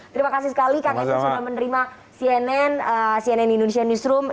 terima kasih sekali kang emil sudah menerima cnn indonesia newsroom